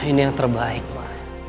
ini yang terbaik ma